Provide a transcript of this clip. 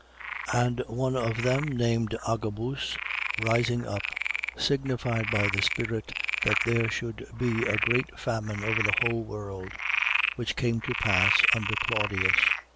11:28. And one of them named Agabus, rising up, signified by the Spirit that there should be a great famine over the whole world, which came to pass under Claudius.